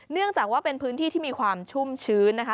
เนื่องจากว่าเป็นพื้นที่ที่มีความชุ่มชื้นนะคะ